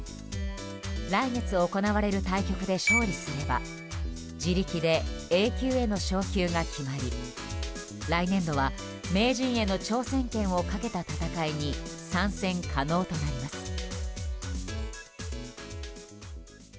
来月行われる対局で勝利すれば自力でＡ級への昇級が決まり来年度は、名人への挑戦権をかけた戦いに参戦可能となります。